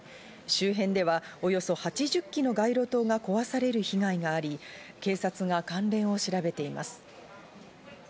周辺ではおよそ８０基の街路灯が壊される被害があり、警察が関連を調べています。